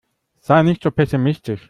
Sei nicht so pessimistisch.